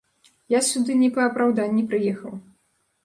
Я сюды не па апраўданні прыехаў.